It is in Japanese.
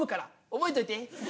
覚えといて。